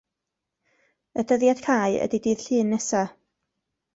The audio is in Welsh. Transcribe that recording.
Y dyddiad cau ydi dydd Llun nesa'.